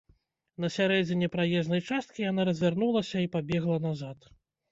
На сярэдзіне праезнай часткі яна развярнулася і пабегла назад.